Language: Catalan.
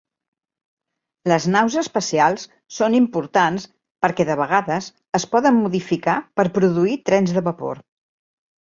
Les naus espacials són importants perquè de vegades es poden modificar per produir trens de vapor.